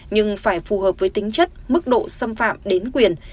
nhưng phải phù hợp với tính chất mức độ xâm phạm đến quyền